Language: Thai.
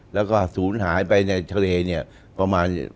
แล้วก็ศูนย์หายไปในทะเลเนี่ยประมาณ